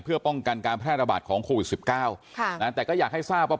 เพื่อป้องกันการแพร่ระบาดของโควิดสิบเก้าค่ะนะแต่ก็อยากให้ทราบว่า